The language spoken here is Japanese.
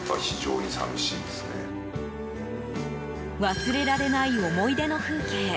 忘れられない思い出の風景。